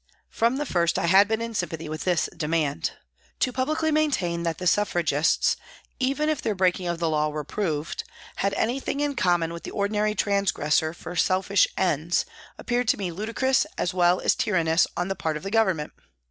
From the first I had been in sympathy with this demand. To publicly maintain that the Suffragists, even if their breaking of the law were proved, had anything in common with the ordinary transgressor for selfish ends, appeared to me ludicrous as well as tyrannous on the part of the Government.